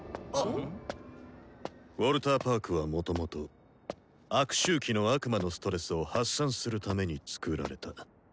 あ⁉ウォルターパークはもともと悪周期の悪魔のストレスを発散するためにつくられた。